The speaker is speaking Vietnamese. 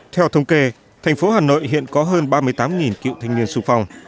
theo thống kê thành phố hà nội hiện có hơn ba mươi tám cựu thanh niên sung phong